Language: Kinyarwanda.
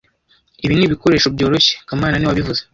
Ibi ni ibikoresho byoroshye kamana niwe wabivuze